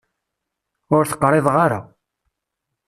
Ur t-qriḍeɣ ara.